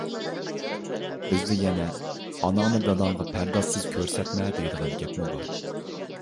بىزدە يەنە: «ئاناڭنى داداڭغا پەردازسىز كۆرسەتمە» دەيدىغان گەپمۇ بار.